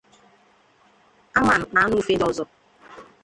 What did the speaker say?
anụmanụ na anụufe ndị ọzọ.